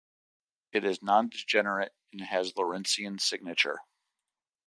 It is nondegenerate and has Lorentzian signature.